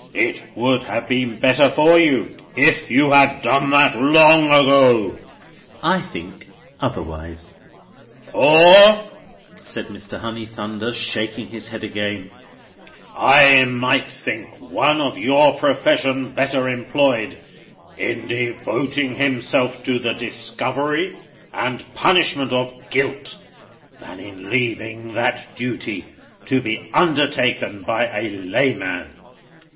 "It would have been better for you if you had done that long ago!" "I think otherwise." "Or," said Mr. Honeythunder, shaking his head again, "I might think one of your profession better employed in devoting himself to the discovery and punishment of guilt than in leaving that duty to be undertaken by a layman."